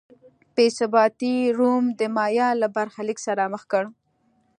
بې ثباتۍ روم د مایا له برخلیک سره مخ کړ.